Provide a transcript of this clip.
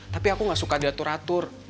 tapi aku gak suka diatur atur